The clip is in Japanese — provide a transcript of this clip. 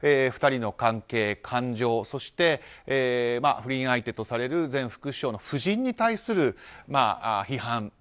２人の関係、感情そして不倫相手とされる前副首相の夫人に対する批判。